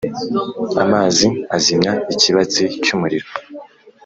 Amazi azimya ikibatsi cy’umuriro,